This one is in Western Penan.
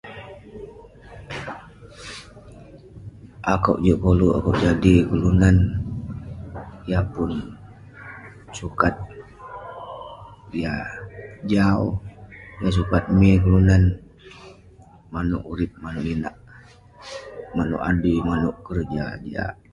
Akouk juk koluk akouk jadi kelunan yah pun sukat, yah jau, yah sukat min kelunan manouk urip manouk inak, manouk adui, manouk keroja jiak.